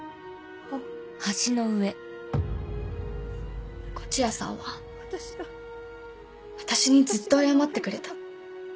あっ東風谷さんは私にずっと謝ってくれた。